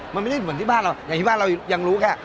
มันไม่ได้เหมือนที่บ้านเราอย่างที่บ้านเรายังรู้แค่